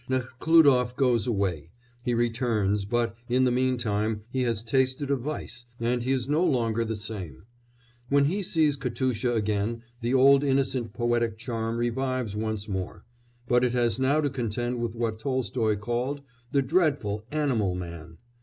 Nekhlúdof goes away; he returns, but, in the meantime, he has tasted of vice, and he is no longer the same. When he sees Katusha again the old innocent poetic charm revives once more, but it has now to contend with what Tolstoy called "the dreadful, animal man."